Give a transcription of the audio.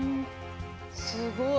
すごい。